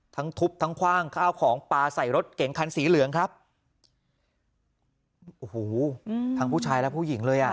ทั้งทุบทั้งคว่างข้าวของปลาใส่รถเก๋งคันสีเหลืองครับโอ้โหทั้งผู้ชายและผู้หญิงเลยอ่ะ